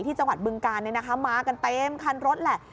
จังหวัดบึงการมากันเต็มคันรถแหละ